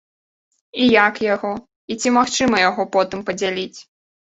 І як яго, і ці магчыма яго потым падзяліць?